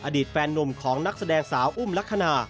อดีตแฟนนุ่มของนักแสดงสาวอุ้มลักษณะ